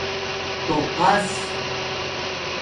ٹݸقس